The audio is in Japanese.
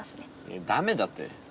いやダメだって。